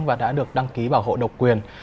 và đã được đăng ký bảo hộ độc quyền